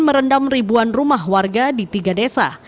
merendam ribuan rumah warga di tiga desa